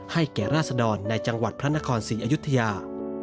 แก่ราษดรในจังหวัดพระนครศรีอยุธยา